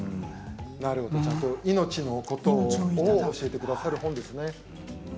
なるほど命のことを教えてくださる本ですね。